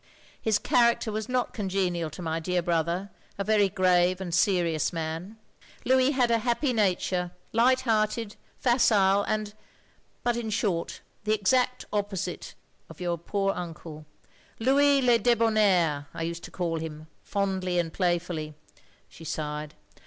His character was not congenial to my dear brother, a very grave and serious man. Louis had a happy nature, light hearted, facile, and, and — but in short, the exact opposite of your poor uncle. Louis le (Ubonnaire, I used to call him, fondly and playfully." She sighed.